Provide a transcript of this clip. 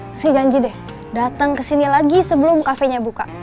kasih janji deh dateng kesini lagi sebelum kafenya buka